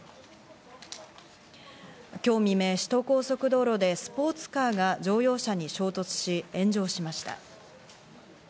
今日未明、首都高速道路でスポーツカーが乗用車に衝突し炎上しました。